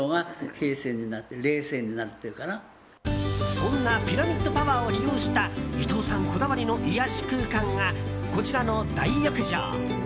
そんなピラミッドパワーを利用した伊藤さんこだわりの癒やし空間が、こちらの大浴場。